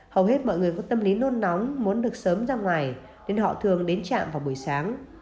hầu hết mọi người có tâm lý nôn nóng muốn được sớm ra ngoài nên họ thường đến trạm vào buổi sáng